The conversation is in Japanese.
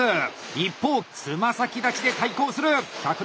一方つま先立ちで対抗する！